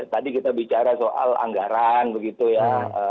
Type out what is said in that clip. tadi kita bicara soal anggaran begitu ya